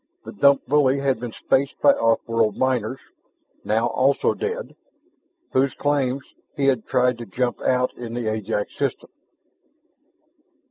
The Dump bully had been spaced by off world miners, now also dead, whose claims he had tried to jump out in the Ajax system.